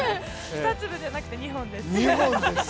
２粒じゃなくて２本です。